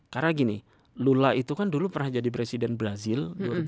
karena gini lula itu kan dulu pernah jadi presiden brazil